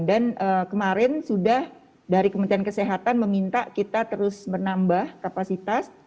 dan kemarin sudah dari kementerian kesehatan meminta kita terus menambah kapasitas